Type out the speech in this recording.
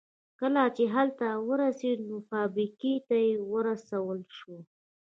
کله چې هلته ورسېد نو فابريکې ته ورسول شو.